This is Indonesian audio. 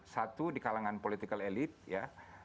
satu di kalangan political elite